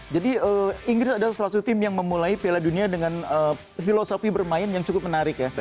jadi inggris adalah salah satu tim yang memulai pilihan dunia dengan filosofi bermain yang cukup menarik ya